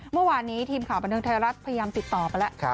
เมื่อวานนี้ทีมข่าวบันเทิงไทยรัฐพยายามติดต่อไปแล้ว